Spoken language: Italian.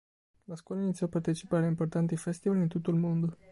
La scuola iniziò a partecipare a importanti festival in tutto il mondo.